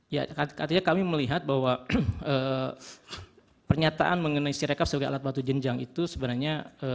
ya artinya kami melihat bahwa pernyataan mengenai sirekap sebagai alat batu jenjang itu sebenarnya